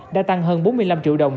đã tăng hơn bốn mươi năm triệu đồng